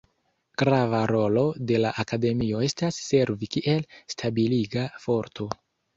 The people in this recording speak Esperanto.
Grava rolo de la Akademio estas servi kiel stabiliga forto.